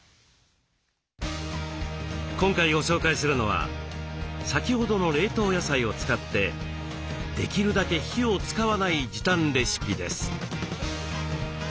今回ご紹介するのは先ほどの冷凍野菜を使ってできるだけ火を使わない時短レシピです。